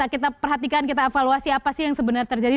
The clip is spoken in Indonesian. kita perhatikan kita evaluasi apa sih yang sebenarnya terjadi